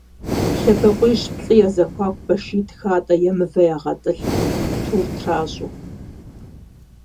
Лъэбакъуищ-плӀы я зэхуакуу башитӀ хатӀэ е мывэ ягъэтӀылъ, тур тращӀэу.